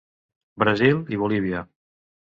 Brasil i Bolívia.